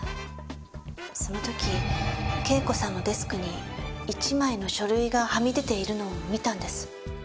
その時圭子さんのデスクに１枚の書類がはみ出ているのを見たんです。